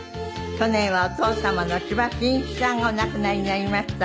去年はお父様の千葉真一さんがお亡くなりになりました。